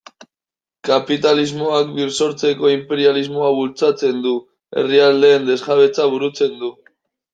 Kapitalismoak birsortzeko inperialismoa bultzatzen du, herrialdeen desjabetzea burutzen du...